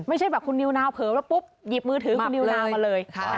ไม่ใช่แบบคุณนิวนาวเผลอแล้วปุ๊บหยิบมือถือคุณนิวนาวมาเลย